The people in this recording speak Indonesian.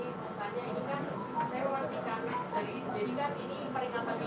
kebun tsunami di ganau ini kan sudah selesai nah kemudian ini diberdasarkan karena hasil berisik di lapangan